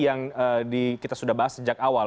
yang kita sudah bahas sejak awal